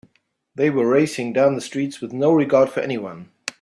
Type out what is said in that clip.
They were racing down the streets with no regard for anyone.